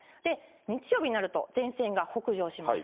日曜日になると前線が北上します。